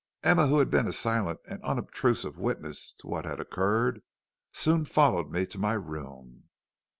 "Emma, who had been a silent and unobtrusive witness to what had occurred, soon followed me to my room.